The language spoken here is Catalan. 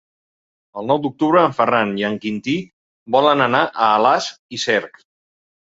El nou d'octubre en Ferran i en Quintí volen anar a Alàs i Cerc.